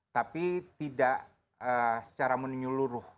tapi tidak secara menyeluruh